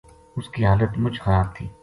اس کی حالت مُچ خراب تھی